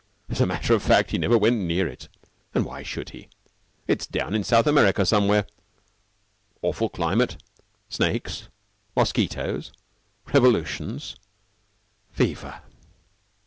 As a matter of fact, he never went near it. And why should he? It's down in South America somewhere. Awful climate snakes, mosquitoes, revolutions, fever."